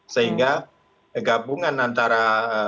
sehingga gabungan antara